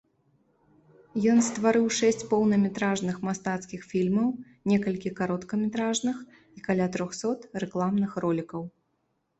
Ён стварыў шэсць поўнаметражных мастацкіх фільмаў, некалькі кароткаметражных і каля трохсот рэкламных ролікаў.